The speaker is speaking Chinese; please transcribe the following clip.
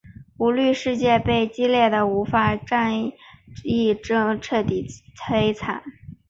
舞律世界被激烈的舞法战役彻底摧毁。